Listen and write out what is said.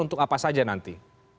untuk apa saja nanti